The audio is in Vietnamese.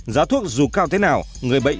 giá thuốc dù cao thế nào người bệnh